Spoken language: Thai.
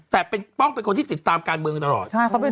แต่ป้องเป็นคนที่ติดตามการเมืองตลอด